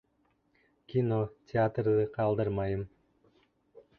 Кино, театрҙы ҡалдырмайым.